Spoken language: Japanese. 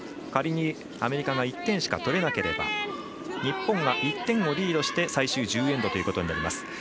仮にアメリカが１点しか取れなければ日本が１点をリードして最終１０エンドということになります。